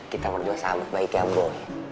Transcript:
kita berdua sama baiknya boy